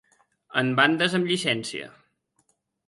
En bandes amb llicència.